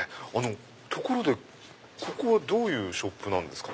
ところでここはどういうショップなんですか？